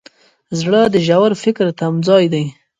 زړه د ژور فکر تمځای دی.